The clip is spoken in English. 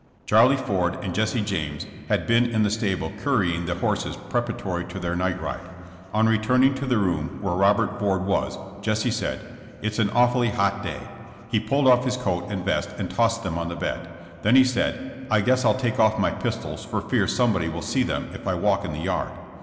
Charlie Ford and Jesse James had been in the stable currying the horses preparatory to their night ride. On return ing to the room where Robert Ford was, Jesse said: *'It's an awfully hot day." He pulled off his coat and vest and tossed them on the bed. Then he said, ''I guess I'll take off my pistols for fear somebody will see them if I walk in the yard."